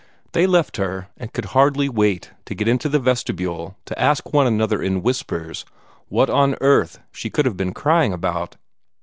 They left her, and could hardly wait to get into the vestibule to ask one another in whispers what on earth she could have been crying about.